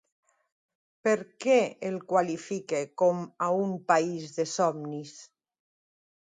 Per què el qualifica com a un país de somnis?